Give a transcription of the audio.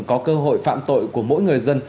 có cơ hội phạm tội của mỗi người dân